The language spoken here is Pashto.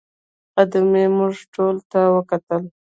خدمې موږ ټولو ته وکتل.